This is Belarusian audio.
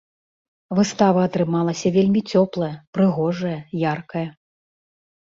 Выстава атрымалася вельмі цёплая, прыгожая яркая.